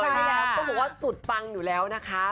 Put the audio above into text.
ต้องบอกว่าสุดฟังอยู่แล้วนะค่ะ